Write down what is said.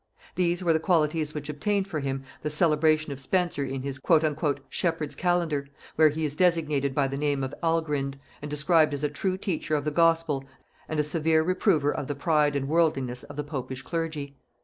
These were the qualities which obtained for him the celebration of Spenser in his "Shepherd's Calendar," where he is designated by the name of Algrind, and described as a true teacher of the Gospel and a severe reprover of the pride and worldliness of the popish clergy.